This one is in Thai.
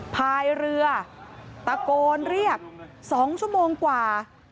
พายเรือตะโกนเรียก๒ชั่วโมงกว่า